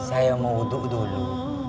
saya mau duduk dulu